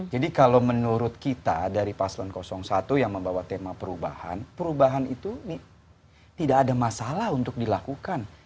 jadi kalau menurut kita dari paslon satu yang membawa tema perubahan perubahan itu tidak ada masalah untuk dilakukan